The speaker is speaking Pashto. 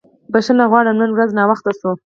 بښنه غواړم نن ورځ ناوخته شو.